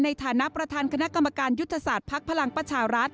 ในฐานะประธานคณะกรรมการยุทธศาสตร์ภักดิ์พลังประชารัฐ